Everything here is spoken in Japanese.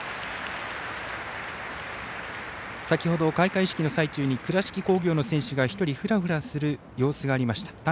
先ほど開会式の最中に倉敷工業の選手が１人ふらふらする様子がありました。